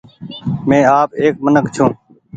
مين آپ ايڪ منک ڇون۔